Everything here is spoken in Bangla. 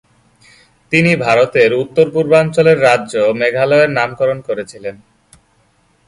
তিনি ভারতের উত্তর পূর্বাঞ্চলের রাজ্য মেঘালয়ের নামকরণ করেছিলেন।